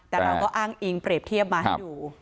แต่เราก็อ้างอิงเปรียบเทียบมาให้ดู